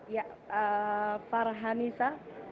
ya pak rhanisa